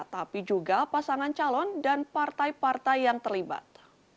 tapi juga pasangan calon dan partai partai yang terlibat